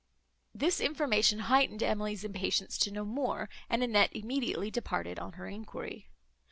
This information heightened Emily's impatience to know more, and Annette immediately departed on her enquiry.